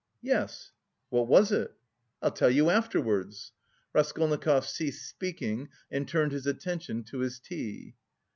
"Yes." "What was it?" "I'll tell you afterwards." Raskolnikov ceased speaking and turned his attention to his tea.